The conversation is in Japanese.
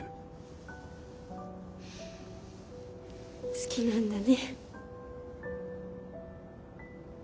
好きなんだね。